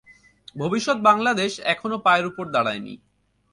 ভবিষ্যৎ বাঙলাদেশ এখনও পায়ের উপর দাঁড়ায়নি।